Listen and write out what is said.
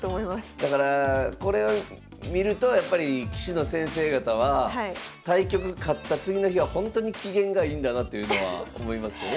だからこれを見るとやっぱり棋士の先生方は対局勝った次の日はほんとに機嫌がいいんだなというのは思いますよね。